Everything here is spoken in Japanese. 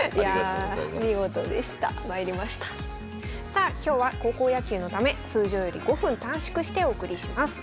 さあ今日は高校野球のため通常より５分短縮してお送りします。